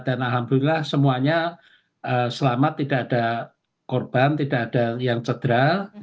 dan alhamdulillah semuanya selamat tidak ada korban tidak ada yang cedera